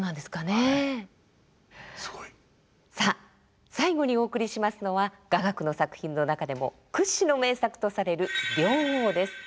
すごい。さあ最後にお送りしますのは雅楽の作品の中でも屈指の名作とされる「陵王」です。